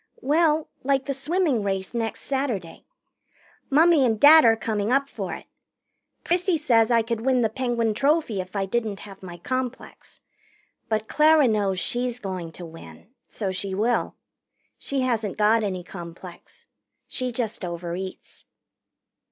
"Well, like the swimming race next Saturday. Mummy and Dad are coming up for it. Prissy says I could win the Penguin Trophy if I didn't have my complex. But Clara knows she's going to win. So she will. She hasn't got any complex. She just overeats."